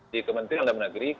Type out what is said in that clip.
di kementerian dalam negeri